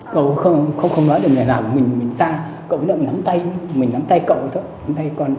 cậu không nói được